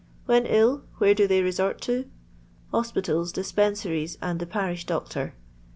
When ill ; where do they resort to 1 — Hospitals, dispensaries, and the parish doctor.